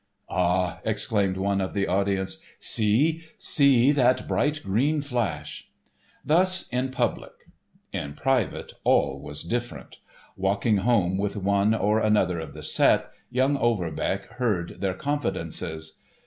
_ "Ah!" exclaimed one of the audience, "see, see that bright green flash!" Thus in public. In private all was different. Walking home with one or another of the set, young Overbeck heard their confidences.